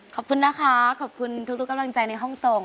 ขอบคุณนะคะขอบคุณทุกกำลังใจในห้องส่ง